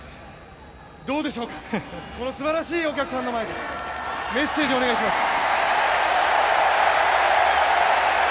どうでしょうか、このすばらしいお客さんの前でメッセージをお願いします。